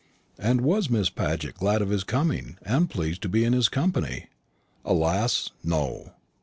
And was Miss Paget glad of his coming, and pleased to be in his company? Alas, no!